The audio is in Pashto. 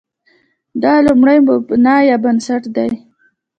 دا لومړی مبنا یا بنسټ دی.